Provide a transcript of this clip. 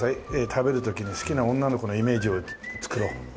食べる時に好きな女の子のイメージを作ろう。